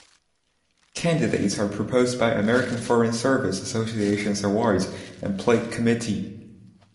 Candidates are proposed by American Foreign Service Association's Awards and Plaque Committee.